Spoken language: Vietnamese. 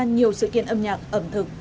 nhiều sự kiện âm nhạc ẩm thực